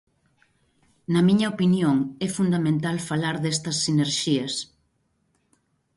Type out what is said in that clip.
Na miña opinión é fundamental falar destas sinerxías.